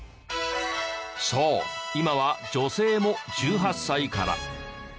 そう今は女性も１８歳から。